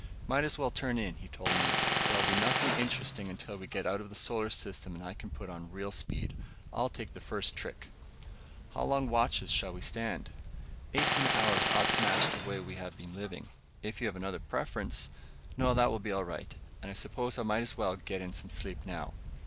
"Might as well turn in," he told me. "There'll be nothing interesting until we get out of the solar system and I can put on real speed. I'll take the first trick." "How long watches shall we stand?" "Eighteen hours ought to match the way we have been living. If you have another preference " "No, that will be all right. And I suppose I might as well get in some sleep now."